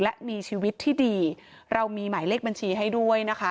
และมีชีวิตที่ดีเรามีหมายเลขบัญชีให้ด้วยนะคะ